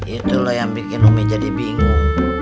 itulah yang bikin umi jadi bingung